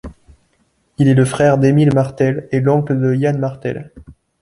Il est le frère d'Émile Martel et l'oncle de Yann Martel.